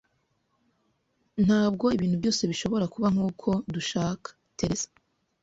Ntabwo ibintu byose bishobora kuba nkuko dushaka, Teresa.